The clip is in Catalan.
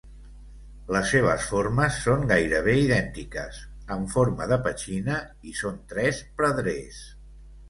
Les seves formes són gairebé idèntiques, en forma de petxina, i són tres pedrers.